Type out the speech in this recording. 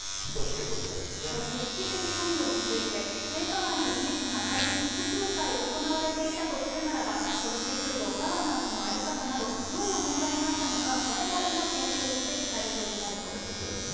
組織的関与について、性加害の事実が仮に複数回行われていたとするならば、組織風土、ガバナンスの在り方など、どんな問題があったのか、われわれが検証すべこちらですね。